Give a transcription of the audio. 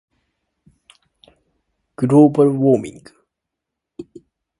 global warming